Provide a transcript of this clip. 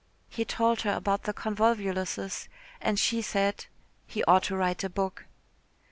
He told her about the convolvuluses, and she said he ought to write a book.